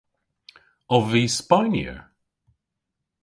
Ov vy Spaynyer?